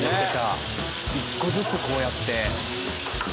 １個ずつこうやって。